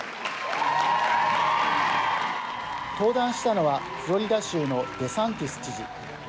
登壇したのはフロリダ州のデサンティス知事。